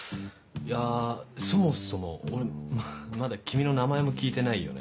いやそもそも俺まだ君の名前も聞いてないよね。